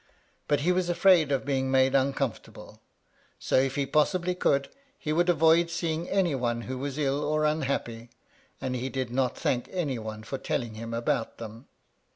But he was afraid of being made un comfortable ; so, if he possibly could, he would avoid seeing any one who was ill or unhappy ; and he did not thank any one for telling him about them.